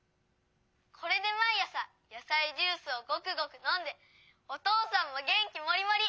「これでまいあさやさいジュースをごくごくのんでおとうさんもげんきもりもり！